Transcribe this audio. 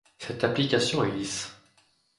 Cette application est lisse.